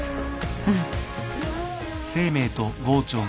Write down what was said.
うん。